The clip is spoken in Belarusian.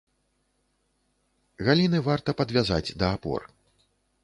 Галіны варта падвязаць да апор.